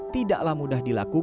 tidaklah mudah dilakukan